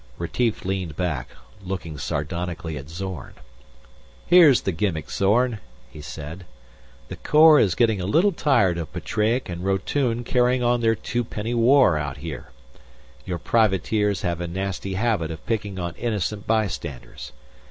Retief leaned back, looking sardonically at Zorn, "Here's the gimmick, Zorn," he said. "The Corps is getting a little tired of Petreac and Rotune carrying on their two penny war out here. Your privateers have a nasty habit of picking on innocent bystanders.